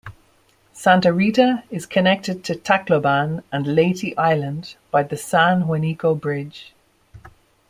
Santa Rita is connected to Tacloban and Leyte Island by the San Juanico Bridge.